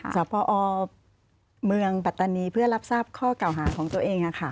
สอบพอเมืองปัตตานีเพื่อรับทราบข้อเก่าหาของตัวเอง